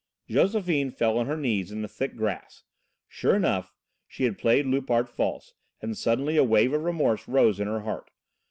Josephine fell on her knees in the thick grass. Sure enough she had played Loupart false, and suddenly a wave of remorse rose in her heart.